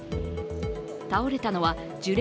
倒れたのは樹齢